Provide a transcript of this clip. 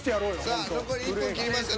さあ残り１分切りました。